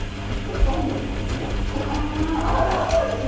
サーモンとかもそうなんですか？